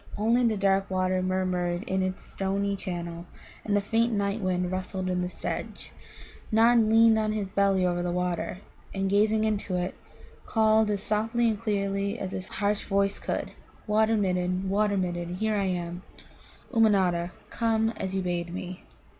Only the dark water murmured in its stony channel, and the faint night wind rustled in the sedge. Nod leaned on his belly over the water, and, gazing into it, called as softly and clearly as his harsh voice could: "Water midden, Water midden, here am I, Ummanodda, come as you bade me."